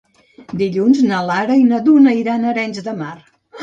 Dilluns na Lara i na Duna iran a Arenys de Mar.